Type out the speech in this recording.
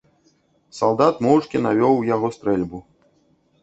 Салдат моўчкі навёў у яго стрэльбу.